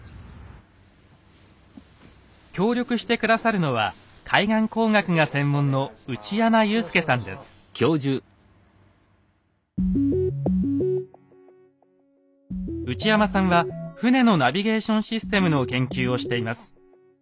協力して下さるのは海岸工学が専門の内山さんは船のナビゲーションシステムの研究をしています。